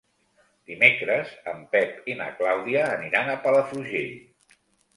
Dimecres en Pep i na Clàudia aniran a Palafrugell.